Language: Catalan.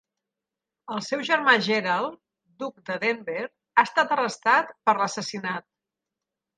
El seu germà Gerald, duc de Denver, ha estat arrestat per l'assassinat.